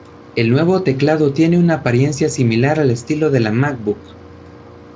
El nuevo teclado tiene una apariencia similar al estilo de la macbook.